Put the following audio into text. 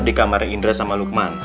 di kamar indra sama lukman